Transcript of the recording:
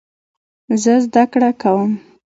زه زده کړه کوم